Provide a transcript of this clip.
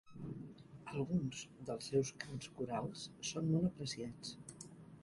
Alguns dels seus cants corals són molt apreciats.